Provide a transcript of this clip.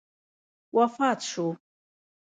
وفات شو.